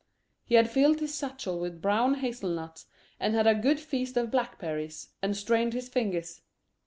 He had filled his satchel with brown hazel nuts, had a good feast of blackberries, and stained his fingers.